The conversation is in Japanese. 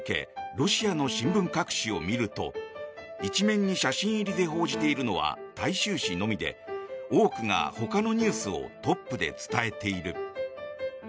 ロシアの新聞各紙を見ると１面に写真入りで報じているのは大衆紙のみで多くが、ほかのニュースをトップで伝えている。